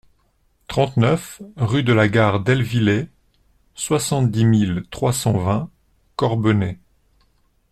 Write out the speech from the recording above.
trente-neuf rue de la Gare d'Aillevillers, soixante-dix mille trois cent vingt Corbenay